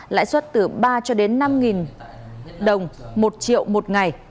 lãi suất từ ba cho đến năm đồng một triệu một ngày